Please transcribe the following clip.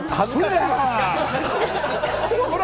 ほら！